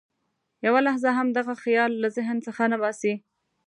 یوه لحظه هم دغه خیال له ذهن څخه نه باسي.